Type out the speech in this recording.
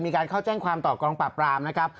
มีการเข้าแจ้งความต่อกองปราบรามนะครับ